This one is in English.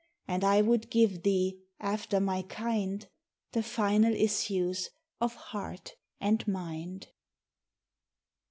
And I would give thee, after my kind. The final issues of heart and mind.